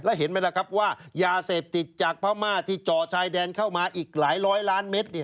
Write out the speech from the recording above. แล้วเห็นไหมล่ะครับว่ายาเสพติดจากพม่าที่จ่อชายแดนเข้ามาอีกหลายร้อยล้านเมตร